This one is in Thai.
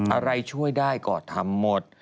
อะไรช่วยได้ก็ทำหมด